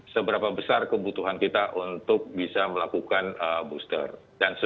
seberapa besar kebutuhan kita untuk bisa melakukan penyakit tertentu